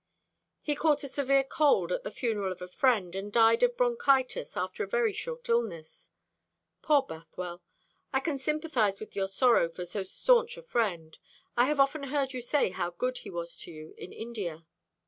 "He caught a severe cold at the funeral of a friend, and died of bronchitis after a very short illness. Poor Bothwell! I can sympathise with your sorrow for so staunch a friend. I have often heard you say how good he was to you in India."